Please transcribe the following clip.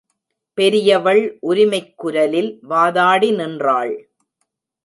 பெரியவள் உரிமைக் குரலில் வாதாடி நின்றாள்.